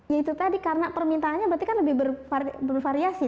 ya itu tadi karena permintaannya berarti kan lebih bervariasi